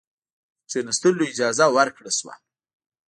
د کښېنستلو اجازه ورکړه شوه.